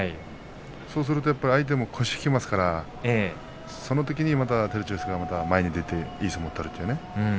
そうすると、やっぱり相手も腰が引けますからそのときにまた照強が前に出ていい相撲を取るというね。